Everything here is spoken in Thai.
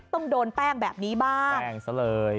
ต้องโดนแป้งแบบนี้บ้างแป้งซะเลย